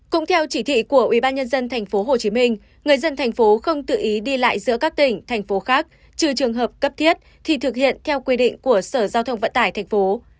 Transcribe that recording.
cũng theo chỉ thị của ubnd tp hcm người dân thành phố không tự ý đi lại giữa các tỉnh thành phố khác trừ trường hợp cấp thiết thì thực hiện theo quy định của sở giao thông vận tải thành phố